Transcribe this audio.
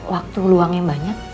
waktu luang yang banyak